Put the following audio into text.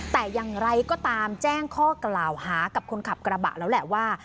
แต่อย่างไรก็ตามแจ้งข้อกล่าวหากับคนขับกระบะแล้วแหละว่า